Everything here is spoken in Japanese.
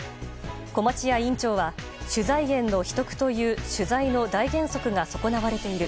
小町谷委員長は取材源の秘匿という取材の大原則が損なわれている。